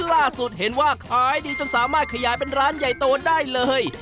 ล่าสุดเห็นว่าขายดีจนสามารถขยายเป็นร้านใหญ่โตได้เลย